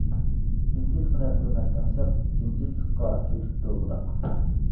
جىمجىتقىنا تۇرىمەن تىڭشاپ، جىمجىتلىققا چۆكۈپتۇ بۇلاق.